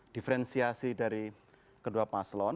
diferensiasi dari kedua paslon